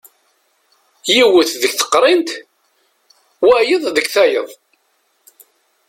Yiwet deg teqrint, wayeḍ deg tayeḍ.